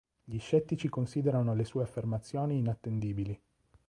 Gli scettici considerano le sue affermazioni inattendibili.